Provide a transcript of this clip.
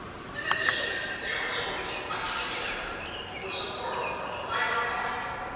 In the district there was always much to be done. It was a world and a life apart.